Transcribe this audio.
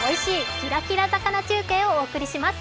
キラキラ魚中継」をお送りします。